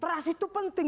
terasi itu penting